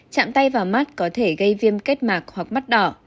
chạm tay vào mắt có thể gây viêm kết mạc hoặc mắt đỏ